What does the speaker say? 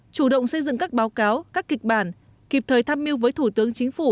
chủ động xây dựng các báo cáo các kịch bản kịp thời tham mưu với thủ tướng chính phủ